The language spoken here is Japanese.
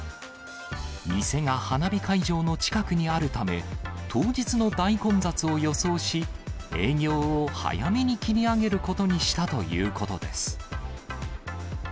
店が花火会場の近くにあるため、当日の大混雑を予想し、営業を早めに切り上げることにしたということです。